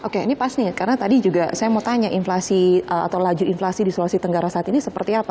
oke ini pasti karena tadi juga saya mau tanya inflasi atau lajur inflasi di sulawesi tenggara saat ini seperti apa